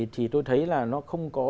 thì tôi thấy là nó không có